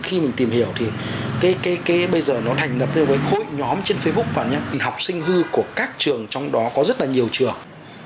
khi mình tìm hiểu thì cái bây giờ nó thành lập ra với khối nhóm trên facebook và những học sinh hư của các trường trong đó có rất là nhiều trường